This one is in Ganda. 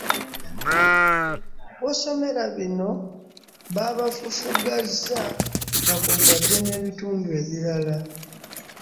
W'osomera bino, baabafufuggaza nga kw'otadde n'ebitundu ebirala